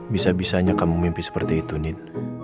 bisa bisanya kamu mimpi seperti itu nin